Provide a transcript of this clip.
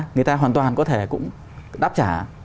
người ta hoàn toàn có thể cũng đáp trả